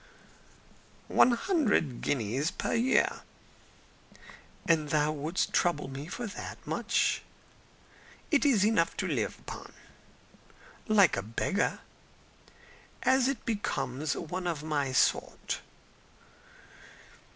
"One hundred guineas a year." "And thou wouldst trouble me for that much?" "It is enough to live upon." "Like a beggar." "As it becomes one of my sort."